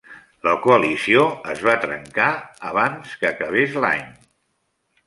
La coalició es va trencar abans que acabi l'any.